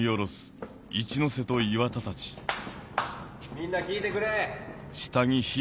みんな聞いてくれ。